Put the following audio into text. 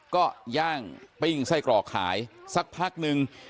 ก็ย่างปิ้งไส้กรอกขายสักพักนึง